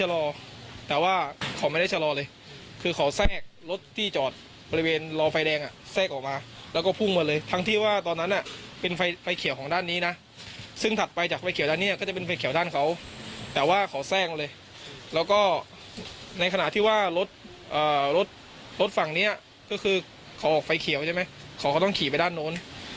รถฝั่งนี้ก็คือเขาออกไฟเขียวใช่ไหมเขาต้องขี่ไปด้านโน้น